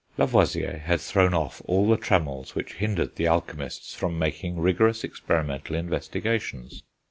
Lavoisier had thrown off all the trammels which hindered the alchemists from making rigorous experimental investigations.